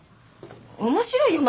面白いよ